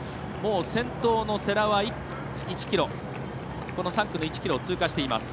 先頭の世羅は３区の１ｋｍを通過しています。